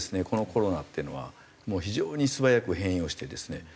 このコロナっていうのはもう非常に素早く変異をしてですね